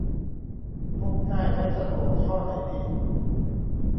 พกง่ายใช้สะดวก ยี่ห้อไหนดี